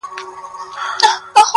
دلته ولور گټمه.